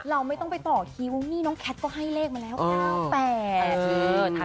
เราไม่ต้องไปต่อคิวนี่น้องแคทก็ให้เลขมาแล้ว๙๘